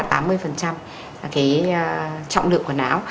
là cái trọng lượng của não